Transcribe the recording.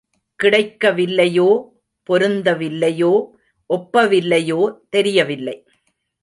கிடைக்க வில்லையோ, பொருந்தவில்லையோ, ஒப்பவில்லையோ தெரியவில்லை.